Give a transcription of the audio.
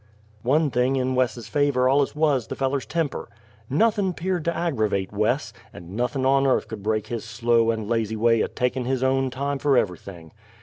One thing in Wes's favor allus wuz the feller's temper. Nothin' 'peared to aggervate Wes, and nothin' on earth could break his slow and lazy way o' takin' his own time fer ever'thing.